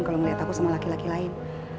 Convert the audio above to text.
kalau melihat aku sama laki laki lain